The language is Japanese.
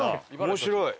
面白い！